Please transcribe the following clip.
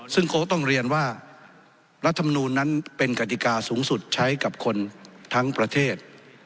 ซึ่งเขาต้องเรียนว่ารัฐมนูลนั้นเป็นกฎิกาสูงสุดใช้กับคนทั้งประเทศ